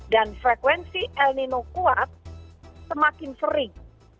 dan frekuensi el nino kuat semakin sering